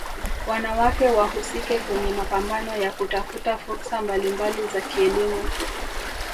wanawake wahusike kwenye mapambano ya kutafuta fursa mbalimbali za kielimu